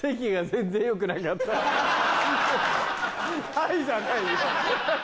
「はい」じゃないよ。